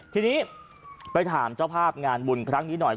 ทีนี้ไปถามเจ้าภาพงานบุญครั้งนี้หน่อย